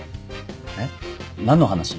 えっ？何の話？